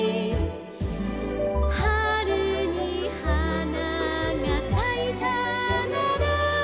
「はるにはながさいたなら」